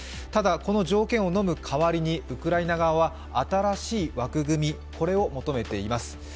ただこの条件をのむかわりにウクライナ側は新しい枠組みを求めています。